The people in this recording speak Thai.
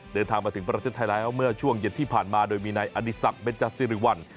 เดินทางมาถึงประเทศไทยแล้วเมื่อช่วงเย็นที่ผ่านมาโดยมีนายอดีศักดิเบนจสิริวัล